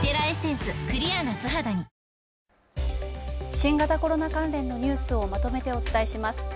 新型コロナ関連のニュースをまとめてお伝えします。